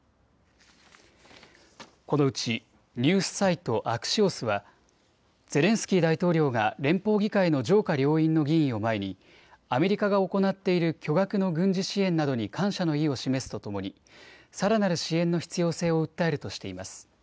このうちニュースサイト、アクシオスはゼレンスキー大統領が連邦議会の上下両院の議員を前にアメリカが行っている巨額の軍事支援などに感謝の意を示すとともにさらなる支援の必要性を訴えるとしています。